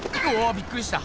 びっくりした。